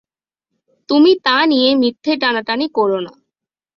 তুমি তা নিয়ে মিথ্যে টানাটানি কোরো না।